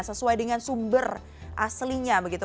sesuai dengan sumber aslinya begitu